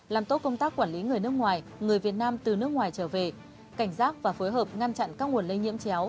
làm tốt công tác quản lý người nước ngoài người việt nam từ nước ngoài trở về cảnh giác và phối hợp ngăn chặn các nguồn lây nhiễm chéo